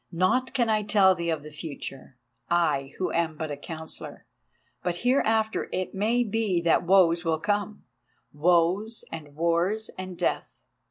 Naught can I tell thee of the future, I who am but a counsellor, but hereafter it may be that woes will come, woes and wars and death.